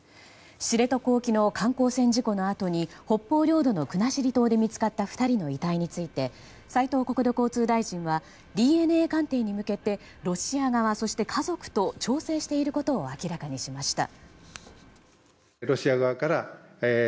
知床沖の観光船事故のあとに北方領土の国後島で見つかった２人の遺体について斉藤国土交通大臣はＤＮＡ鑑定に向けてロシア側家族と調整していることを明らかにしました。